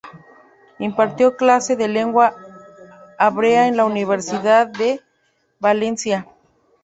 Impartió clase de lengua hebrea en la Universidad de Valencia.